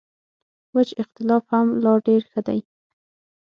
وچ اختلاف هم لا ډېر ښه دی.